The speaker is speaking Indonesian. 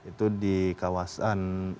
iya itu di kawasan kesawan namanya di kota lama kita